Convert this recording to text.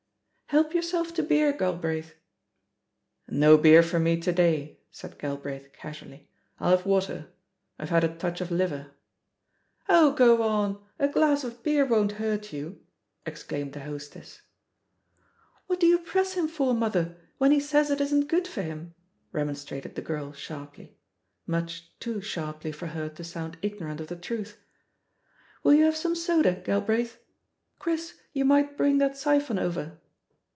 "Help yourself to beer, Galbraith." "No beer for me to day," said Galbraith casually, "I'll have water — I've had a touch of Uver." "Oh, go on, a glass of beer won't hurt you I" exclaimed the hostess. "What do you press him for, mother, when he says it isn't good for him?" remonstrated the girl sharply — ^much too sharply for her to sound ignorant of the truth. "Will you have some soda, Galbraith? Chris, you might bring that syphon over."